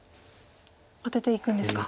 アテていくんですか。